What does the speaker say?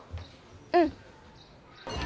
うん。